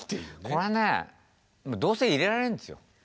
これねどうせ入れられるんですよ。